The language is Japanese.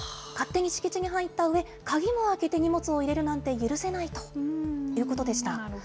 勝手に敷地に入ったうえ、鍵も開けて荷物を入れるなんて許せないということでした。